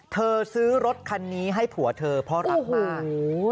ซื้อรถคันนี้ให้ผัวเธอเพราะรักมาก